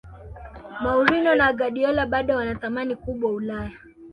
mourinho na guardiola bado wana thamani kubwa ulaya